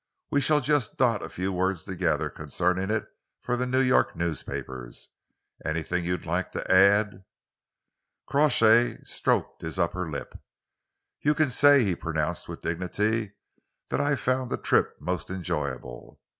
We shall just dot a few words together concerning it for the New York newspapers. Anything you'd like to add?" Crawshay stroked his upper lip. "You can say," he pronounced with dignity, "that I found the trip most enjoyable.